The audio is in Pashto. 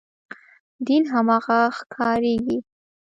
دین هماغه ښکارېږي.